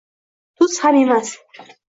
tuz ham emas